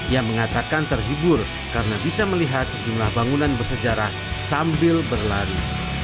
ia mengatakan terhibur karena bisa melihat sejumlah bangunan bersejarah sambil berlari